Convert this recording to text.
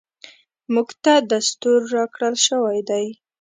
موږ ته دستور راکړل شوی دی .